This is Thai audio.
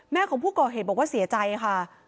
แม่ของผู้ก่อเหตุบอกว่าเสียใจค่ะ